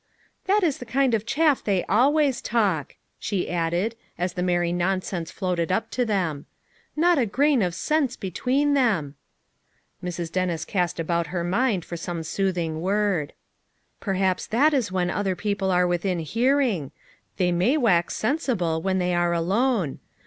"That is the kind of chaff they always talk," she added as the merry nonsense floated up to them. "Not a grain of sense between them." Mrs. Dennis cast about her mind for some soothing word. "Perhaps that is when other people are with in hearing; they may wax sensible when they are alone.